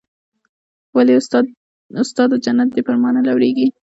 ولې استاده جنت دې پر ما نه لورېږي.